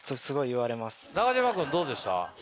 中島君どうでした？